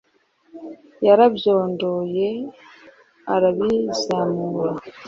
yarabyondoye arabizamura